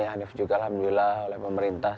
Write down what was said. hanif juga alhamdulillah oleh pemerintah